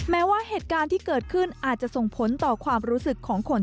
แม้ว่าเหตุการณ์ที่เกิดขึ้นอาจจะส่งผลต่อความรู้สึกของคน